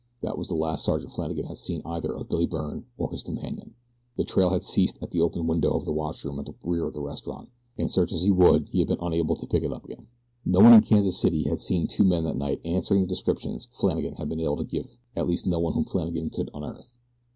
That was the last Sergeant Flannagan had seen either of Billy Byrne or his companion. The trail had ceased at the open window of the washroom at the rear of the restaurant, and search as he would be had been unable to pick it up again. No one in Kansas City had seen two men that night answering the descriptions Flannagan had been able to give at least no one whom Flannagan could unearth.